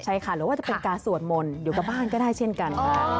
ใช่ค่ะหรือว่าจะเป็นการสวดมนต์อยู่กับบ้านก็ได้เช่นกัน